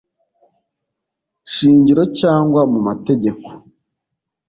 shingiro cyangwa mu mategeko